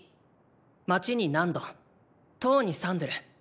街にナンド塔にサンデル。